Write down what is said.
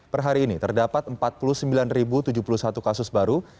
per hari ini terdapat empat puluh sembilan tujuh puluh satu kasus baru